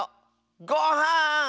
ごはん！